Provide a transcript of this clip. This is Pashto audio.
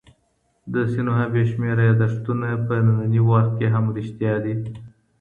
د سینوهه بې شمېره یاداښتونه په ننني وخت کي هم رښتیا دي.